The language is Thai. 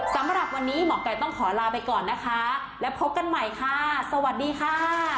สำหรับวันนี้หมอไก่ต้องขอลาไปก่อนนะคะและพบกันใหม่ค่ะสวัสดีค่ะ